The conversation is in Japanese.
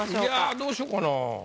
どうしようかな。